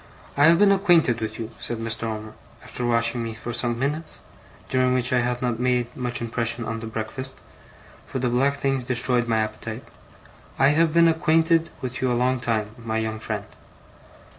'I have been acquainted with you,' said Mr. Omer, after watching me for some minutes, during which I had not made much impression on the breakfast, for the black things destroyed my appetite, 'I have been acquainted with you a long time, my young friend.